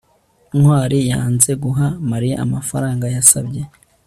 ntwali yanze guha mariya amafaranga yasabye